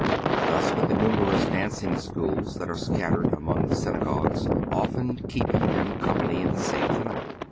Thus, with the nnmerotts dancing echools that are scattered among the synagogues, often keeping them company in the same tenement.